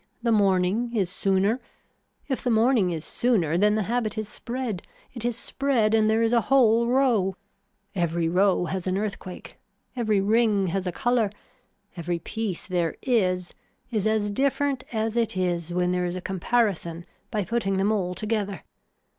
The morning is sooner. If the morning is sooner then the habit is spread, it is spread and there is a whole row. Every row has an earthquake, every ring has a color, every piece there is is as different as it is when there is a comparison by putting them all together.